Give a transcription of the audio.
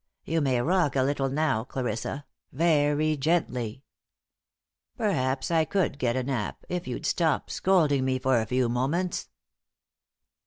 "You may rock a little now, Clarissa, very gently. Perhaps I could get a nap if you'd stop scolding me for a few moments."